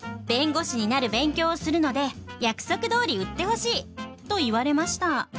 弁護士になる勉強をするので約束どおり売ってほしい」と言われました。